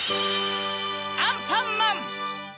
アンパンマン‼